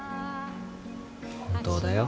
本当だよ。